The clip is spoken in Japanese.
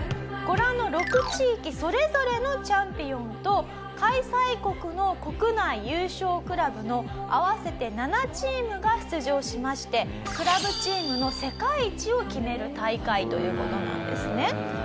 ご覧の６地域それぞれのチャンピオンと開催国の国内優勝クラブの合わせて７チームが出場しましてクラブチームの世界一を決める大会という事なんですね。